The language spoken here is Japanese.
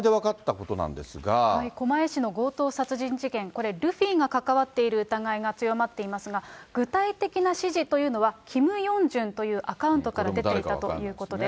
狛江市の強盗殺人事件、これ、ルフィが関わっている疑いが強まっていますが、具体的な指示というのは、キム・ヨンジュンというアカウントから出ていたということです。